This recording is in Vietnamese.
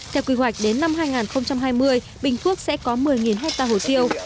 theo quy hoạch đến năm hai nghìn hai mươi bình phước sẽ có một mươi hectare hồ tiêu